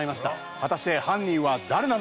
果たして犯人は誰なのか？